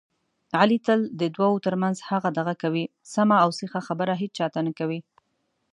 علي تل د دوو ترمنځ هغه دغه کوي، سمه اوسیخه خبره هېچاته نه کوي.